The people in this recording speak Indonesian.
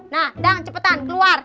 nah dang cepetan keluar